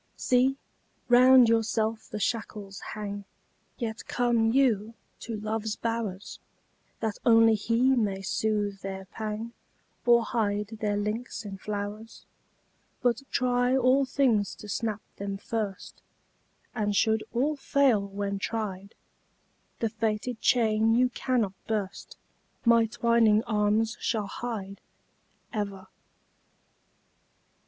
See! round yourself the shackles hang, Yet come you to love's bowers, That only he may soothe their pang Or hide their links in flowers But try all things to snap them first, And should all fail when tried, The fated chain you cannot burst My twining arms shall hide Ever!